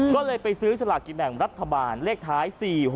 ก็เลยไปซื้อสลากกินแบ่งรัฐบาลเลขท้าย๔๖